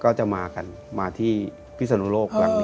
ก็จะมากันมาที่พิศนุโลกครับ